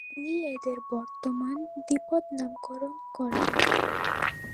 তিনিই এদের বর্তমান দ্বিপদ নামকরণ করেন।